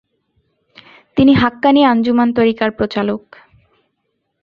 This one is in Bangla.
তিনি 'হাক্কানী আঞ্জুমান' তরিকার প্রচালক।